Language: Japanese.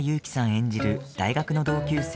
演じる大学の同級生